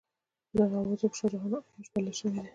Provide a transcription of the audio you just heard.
په دغو اوازو کې شاه جهان عیاش بلل شوی دی.